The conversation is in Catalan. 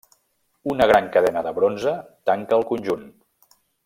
Una gran cadena de bronze tanca el conjunt.